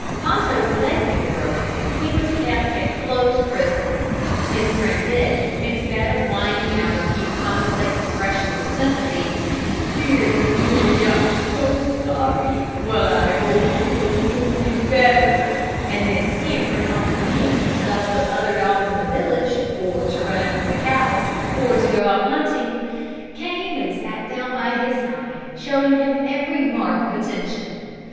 Ponto's leg being broken, he was kept a close prisoner. His friend Dick, instead of whining out a few commonplace expressions of sympathy, "Dear me, I'm so sorry; well, I hope you will soon get better," and then scampering off to amuse himself with other dogs in the village, or to run after the cows, or to go out hunting, came and sat down by his side, showing him every mark of attention.